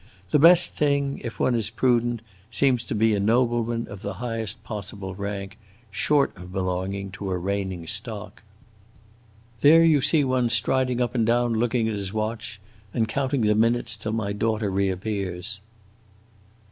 The best thing, if one is prudent, seems to be a nobleman of the highest possible rank, short of belonging to a reigning stock. There you see one striding up and down, looking at his watch, and counting the minutes till my daughter reappears!"